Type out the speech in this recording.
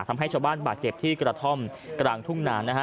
ทำให้ชาวบ้านบาดเจ็บที่กระท่อมกลางทุ่งนานนะฮะ